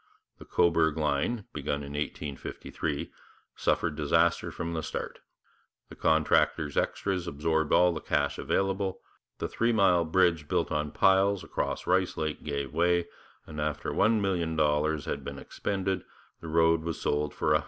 The Cobourg line, begun in 1853, suffered disaster from the start: the contractor's extras absorbed all the cash available; the three mile bridge built on piles across Rice Lake gave way, and after $1,000,000 had been expended the road was sold for $100,000.